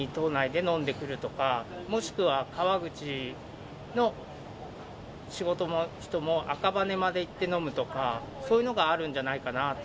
仕事終わりに都内で飲んでくるとか、もしくは川口の仕事の人も、赤羽まで行って飲むとか、そういうのがあるんじゃないかと。